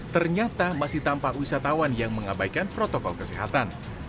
ternyata masih tampak wisatawan yang mengabaikan protokol kesehatan